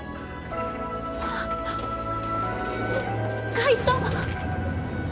海斗。